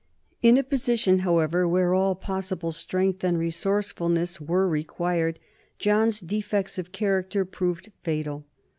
In a posi tion, however, where all possible strength and resource fulness were required, John's defects of character proved fatal.